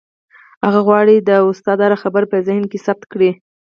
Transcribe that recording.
هغه غواړي د استاد هره خبره په ذهن کې ثبت کړي.